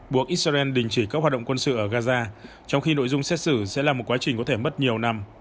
buộc israel đình chỉ các hoạt động quân sự ở gaza trong khi nội dung xét xử sẽ là một quá trình có thể mất nhiều năm